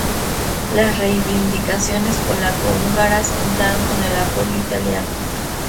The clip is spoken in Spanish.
Las reivindicaciones polaco-húngaras contaron con el apoyo italiano.